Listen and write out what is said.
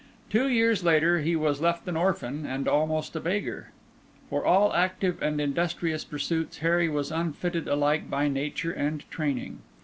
Two years later, he was left an orphan and almost a beggar. For all active and industrious pursuits, Harry was unfitted alike by nature and training.